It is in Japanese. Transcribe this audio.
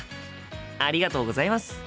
ありがとうございます。